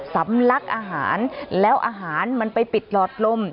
ลักอาหารแล้วอาหารมันไปปิดหลอดลม